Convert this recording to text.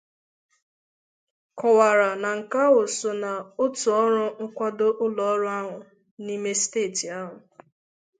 kọwara na nke ahụ so n'otu ọrụ nkwado ụlọọrụ ahụ n'ime steeti ahụ.